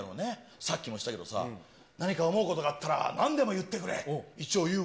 さっきも言ってたけどさ、何か思うことがあったら、なんでも言ってくれ、一応言うわ。